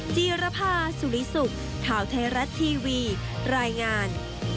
จีรภาสุริสุขข่าวไทยรัฐทีวีรายงาน